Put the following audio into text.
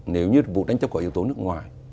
nếu như vụ đánh chấp có yếu tố nước ngoài